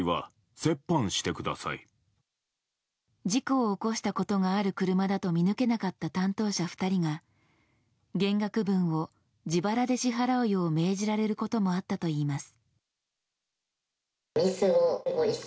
事故を起こしたことがある車だと見抜けなかった担当者２人が減額分を自腹で支払うよう命じられることもあったといいます。